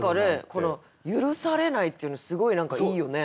「ゆるされない」っていうのすごい何かいいよね。